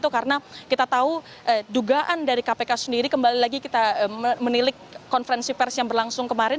karena kita tahu dugaan dari kpk sendiri kembali lagi kita menilik konferensi pers yang berlangsung kemarin